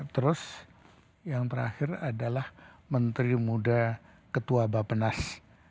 terus yang terakhir adalah menteri muda ketua bapenas